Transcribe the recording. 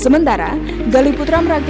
sementara gali putra merakit belakangnya